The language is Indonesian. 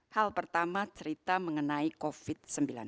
hal pertama cerita mengenai covid sembilan belas